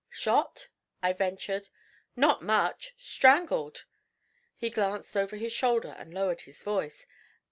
'Shot?' I ventured. 'Not much! Strangled!' He glanced over his shoulder and lowered his voice.